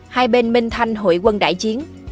hai bên minh thanh hội quân đại chiến